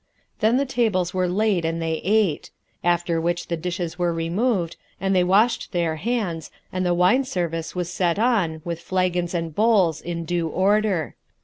Then the tables were laid and they ate; after which the dishes were removed and they washed their hands and the wine service was set on with flagons and bowls in due order.